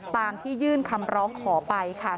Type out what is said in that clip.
ตามที่ยื่นคำร้องขอไปค่ะ